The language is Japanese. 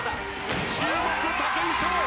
注目武井壮。